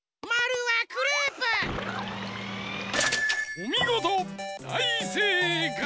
おみごとだいせいかい！